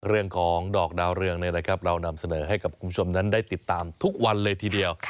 เรื่องของดอกดาวเรืองเรานำเสนอให้กับคุณผู้ชมนั้นได้ติดตามทุกวันเลยทีเดียว